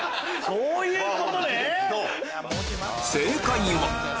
そういうことね！